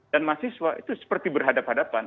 dan mahasiswa itu seperti berhadapan hadapan